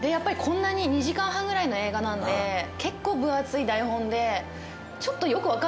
で２時間半ぐらいの映画なんで結構分厚い台本でちょっと。